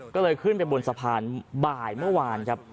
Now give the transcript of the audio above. ก็เลยขึ้นไปบนสะพานบ่ายเมื่อวานครับ